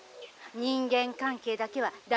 人間関係だけは大事な」。